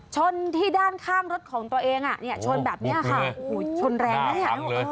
ชนที่ด้านข้างรถของตัวเองอ่ะเนี่ยชนแบบนี้ค่ะโอ้โหชนแรงนะเนี่ย